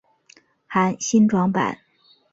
含新装版。